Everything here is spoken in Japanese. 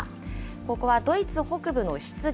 ここはドイツ北部の湿原。